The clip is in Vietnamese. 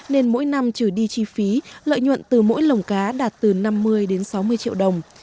nên mỗi năm trừ đi chi phí lợi nhuận từ mỗi lồng cá đạt từ năm mươi đến sáu mươi triệu đồng